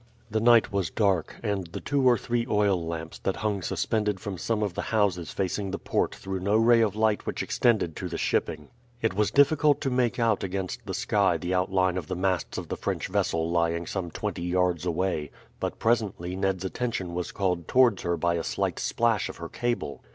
The night was dark, and the two or three oil lamps that hung suspended from some of the houses facing the port threw no ray of light which extended to the shipping. It was difficult to make out against the sky the outline of the masts of the French vessel lying some twenty yards away; but presently Ned's attention was called towards her by a slight splash of her cable.